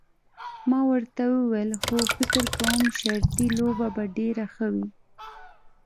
ما ورته وویل هو فکر کوم شرطي لوبه به ډېره ښه وي.